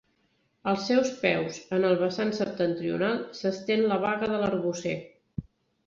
Als seus peus, en el vessant septentrional, s'estén la Baga de l'Arbocer.